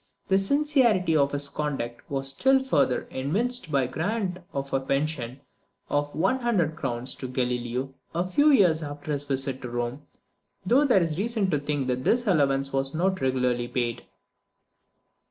The sincerity of his conduct was still further evinced by the grant of a pension of one hundred crowns to Galileo, a few years after his visit to Rome; though there is reason to think that this allowance was not regularly paid.